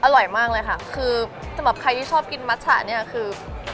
อร่อยมากเลยค่ะคือสำหรับใครที่ชอบกินมัชฉะเนี่ยคือ